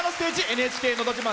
「ＮＨＫのど自慢」